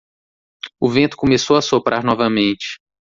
O vento começou a soprar novamente.